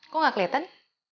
kok gak keliatan